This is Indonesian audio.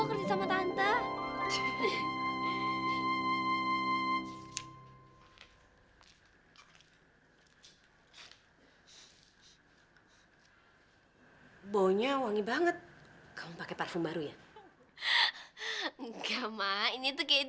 kenapa kepala kamu masih sakit